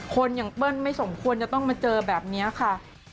คนอย่างเปิ้ลไม่สมควรจะต้องมาเจอแบบนี้ค่ะ